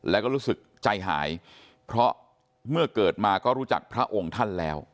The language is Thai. แล้วก็รู้สึกใจหายเพราะเมื่อเกิดมาก็รู้จักพระองค์ท่านแล้ว